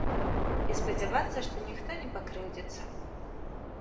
І спадзявацца, што ніхто не пакрыўдзіцца.